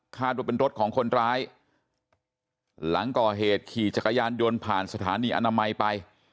ว่าเป็นรถของคนร้ายหลังก่อเหตุขี่จักรยานยนต์ผ่านสถานีอนามัยไป